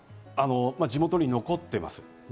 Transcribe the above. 地元に残っています。